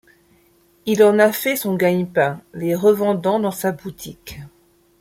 Il en a fait son gagne-pain, les revendant dans sa boutique.